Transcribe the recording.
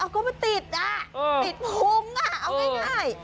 อ้าวก็มันติดอ่ะติดพุงอ่ะเอาง่าย